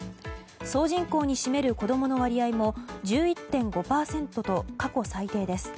総人口に占める子供の割合も１１．５％と過去最低です。